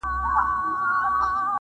په دې غار کي چي پراته کم موږکان دي,